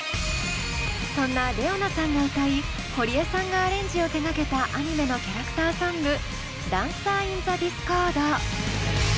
そんなＲｅｏＮａさんが歌い堀江さんがアレンジを手がけたアニメのキャラクターソング「ＤａｎｃｅｒｉｎｔｈｅＤｉｓｃｏｒｄ」。